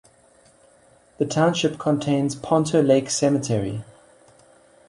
The township contains Ponto Lake Cemetery.